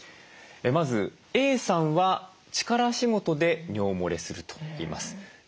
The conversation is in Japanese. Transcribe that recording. まずＡさんは力仕事で尿もれするといいます。